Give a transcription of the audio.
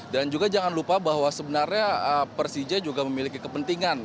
dan juga jangan lupa bahwa sebenarnya persija juga memiliki kepentingan